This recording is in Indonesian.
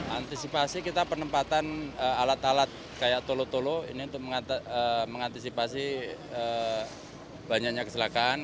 antisipasi kita penempatan alat alat kayak tolo tolo ini untuk mengantisipasi banyaknya kecelakaan